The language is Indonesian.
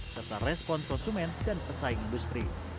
serta respon konsumen dan pesaing industri